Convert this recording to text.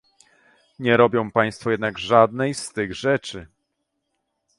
Nie robią państwo jednak żadnej z tych rzeczy